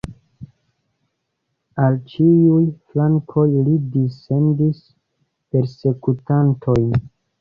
Al ĉiuj flankoj li dissendis persekutantojn.